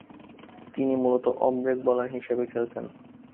তিনি মূলতঃ off break bowler হিসেবে খেলতেন।